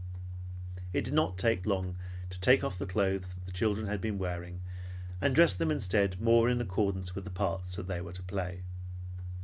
It did not take long to take off the clothes the children had been wearing, and dress them instead more in accordance with the parts they were to play.